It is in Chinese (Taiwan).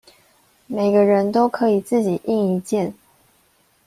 每個人都可以自己印一件